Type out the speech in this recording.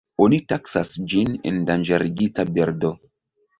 Oni taksas ĝin endanĝerigita birdo.